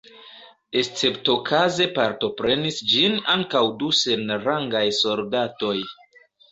Esceptokaze partoprenis ĝin ankaǔ du senrangaj soldatoj.